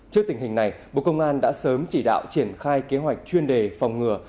trước tình hình này bộ công an đã sớm chỉ đạo triển khai kế hoạch chuyên đề phòng ngừa